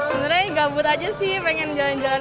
sebenarnya gabut aja sih pengen jalan jalan